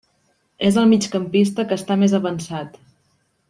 És el migcampista que està més avançat.